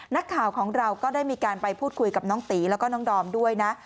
นักข่าวของเราก็ได้มีการไปพูดคุยกับน้องตีแล้วก็น้องดอมด้วยนะ